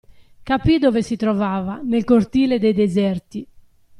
Capì dove si trovava: nel cortile dei Deserti.